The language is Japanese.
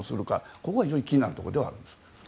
ここが非常に気になるところではあるんです。